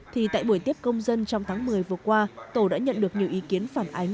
thì tại buổi tiếp công dân trong tháng một mươi vừa qua tổ đã nhận được nhiều ý kiến phản ánh